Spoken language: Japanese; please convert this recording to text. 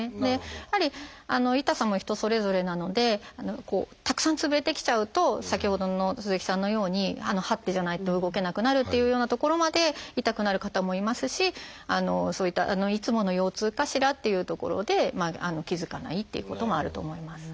やはり痛さも人それぞれなのでたくさんつぶれてきちゃうと先ほどの鈴木さんのようにはってじゃないと動けなくなるっていうようなところまで痛くなる方もいますしそういったいつもの腰痛かしらっていうところで気付かないっていうこともあると思います。